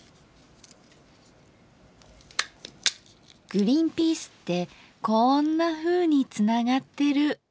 グリンピースってこんなふうにつながってる。